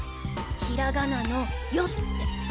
ひらがなの「よ」って。